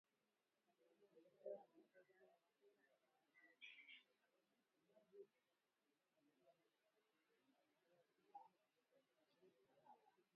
Katibu Mkuu wa Wizara ya Mafuta Andrew Kamau alisema serikali inatathmini kiwango gani kinadaiwa na mchakato huo unaweza kuchukua zaidi ya mwezi mmoja.